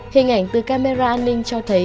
hình ảnh từ camera an ninh cho thấy